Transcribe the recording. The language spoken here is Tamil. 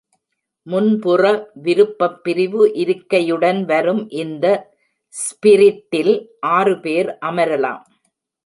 முன்புற விருப்பப் பிரிவு இருக்கையுடன் வரும் இந்த ஸ்பிரிட்டில் ஆறு பேர் அமரலாம்.